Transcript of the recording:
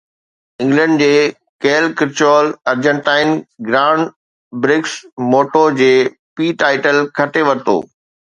England جي Cal Crutchlow Argentine grand prix MotoGP title کٽي ورتو